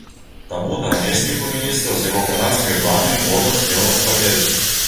Таму намесніку міністра з яго канадскімі планамі можна смела паверыць.